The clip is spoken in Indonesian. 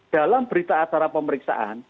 dalam berita atas pemeriksaan